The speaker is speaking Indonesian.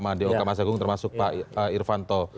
madaoka masagung termasuk pak irfanto